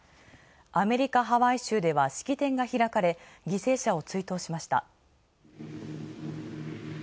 アメリカ・ハワイ州では式典が開かれ犠牲者を追悼しました。